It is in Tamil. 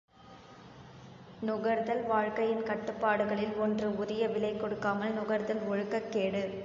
நுகர்தல் வாழ்க்கையின் கடப்பாடுகளில் ஒன்று உரிய விலை கொடுக்காமல் நுகர்தல் ஒழுக்கக் கேடு.